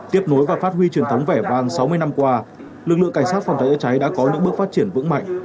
tiếp nối và phát huy truyền thống vẻ vang sáu mươi năm qua lực lượng cảnh sát phòng cháy chữa cháy đã có những bước phát triển vững mạnh